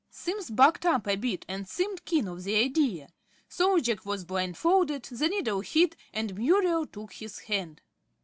Simms bucked up a bit, and seemed keen on the idea. So Jack was blindfolded, the needle hid, and Muriel took his hand.